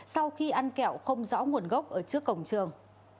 sau khi ăn kẹo không rõ nguồn gốc ở trước cổng trường